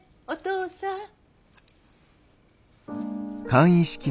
お父さん。